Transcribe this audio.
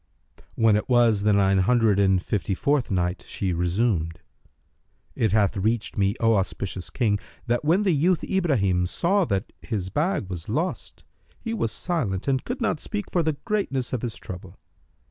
When it was the Nine Hundred and Fifty fourth Night, She resumed, It hath reached me, O auspicious King, that when the youth Ibrahim saw that his bag was lost, he was silent and could not speak for the greatness of his trouble.